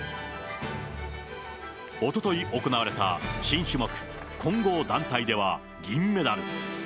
おととい行われた、新種目、混合団体では銀メダル。